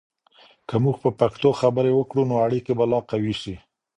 که موږ په پښتو خبرې وکړو، نو اړیکې به لا قوي سي.